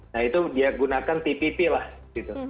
nah itu dia gunakan tpp lah gitu